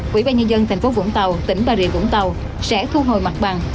quỹ ba nhân dân tp vũng tàu tỉnh bà rịa vũng tàu sẽ thu hồi mặt bằng